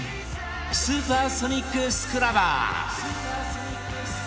スーパーソニックスクラバー